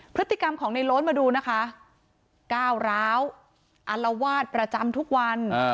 พฤติกรรมของในโล้นมาดูนะคะก้าวร้าวอารวาสประจำทุกวัน